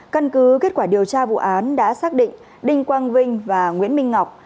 căn cứ kết quả điều tra vụ án đã xác định đinh quang vinh và nguyễn minh ngọc